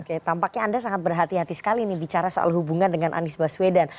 oke tampaknya anda sangat berhati hati sekali nih bicara soal hubungan dengan anies baswedan